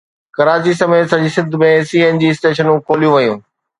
ڪراچي سميت سڄي Sindh ۾ C N G اسٽيشنون کوليون ويون